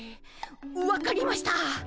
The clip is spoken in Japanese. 分かりました。